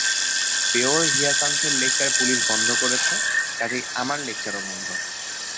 পেয়র হিয়াসান্থের lecture police বন্ধ করেছে, কাজেই আমার লেকচারও বন্ধ।